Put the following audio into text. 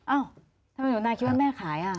อ้าวทำไมหนุนาคิดว่าแม่ขาย